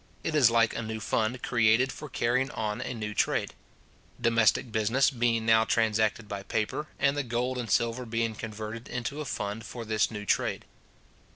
It is like a new fund, created for carrying on a new trade; domestic business being now transacted by paper, and the gold and silver being converted into a fund for this new trade.